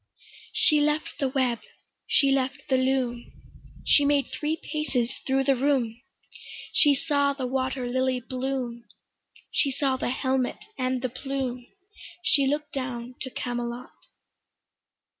She left the web, she left the loom; She made three paces thro' the room, She saw the water lily bloom, She saw the helmet and the plume, She look'd down to Camelot.